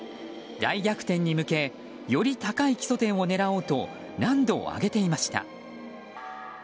大逆転に向けより高い基礎点を狙おうと難度を上げていました。